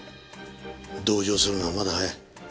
同情するのはまだ早い。